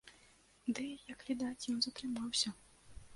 Ды, як відаць, ён затрымаўся.